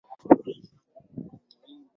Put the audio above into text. Kuna mahekalu ya Uhindu sita na makanisa kadhaa